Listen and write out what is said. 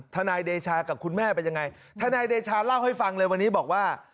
ทนายเดชากับคุณแม่เป็นยังไงทนายเดชาเล่าให้ฟังเลยวันนี้บอกว่า